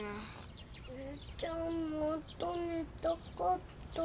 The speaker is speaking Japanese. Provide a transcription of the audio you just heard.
ちゃんもっと寝たかった。